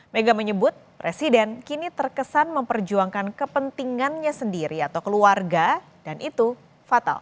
mega menyebut presiden kini terkesan memperjuangkan kepentingannya sendiri atau keluarga dan itu fatal